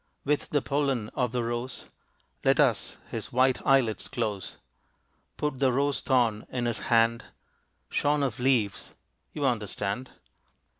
With the pollen of the rose Let us his white eye lids close. Put the rose thorn in his hand, Shorn of leaves you understand.